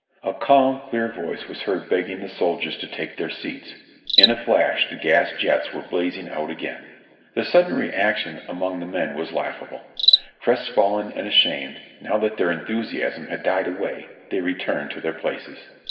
A calm, clear voice was heard begging the soldiers to take their seats. In a flash the gas jets were blazing out again. The sudden reaction among the men was laughable. Crest fallen and ashamed, now that their enthusiasm had died away, they returned to their places.